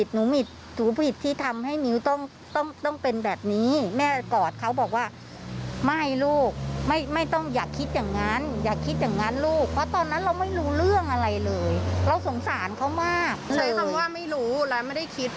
หน้าฉากเขาก็คือสวยดี